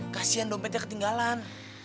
kasian dompetnya ketinggalan